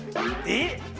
えっ？